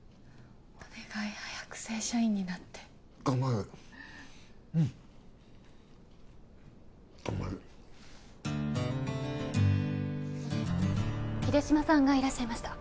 お願い早く正社員になって頑張るうん頑張る秀島さんがいらっしゃいました